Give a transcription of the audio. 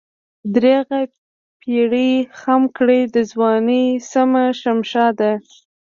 درېغه پيرۍ خم کړې دَځوانۍ سمه شمشاده